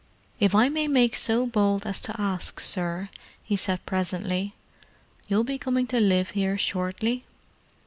"If I may make so bold as to ask, sir," he said presently, "you'll be coming to live here shortly?"